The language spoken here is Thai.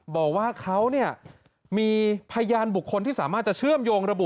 บอกว่าเขามีพยานบุคคลที่สามารถจะเชื่อมโยงระบุ